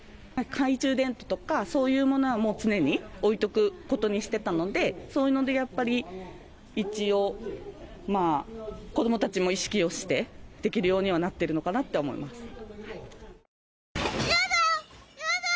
懐中電灯とかそういうものはもう常に置いておくことにしてたので、そういうのでやっぱり一応子供たちも意識をして、できるようにはなってるのかなって思います。